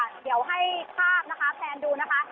ตอนนี้ค่ะเดี๋ยวให้ภาพแพลนดูนะคะ